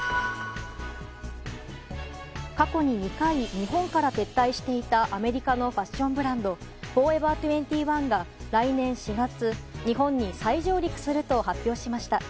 過去に２回日本から撤退していたアメリカのファッションブランドフォーエバー２１が来年４月、日本に再上陸すると発表しました。